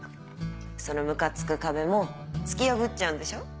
そのムカつく壁も突き破っちゃうんでしょ？